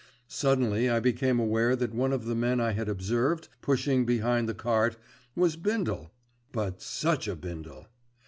Suddenly I became aware that one of the men I had observed pushing behind the cart was Bindle; but such a Bindle.